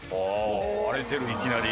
割れてるいきなり。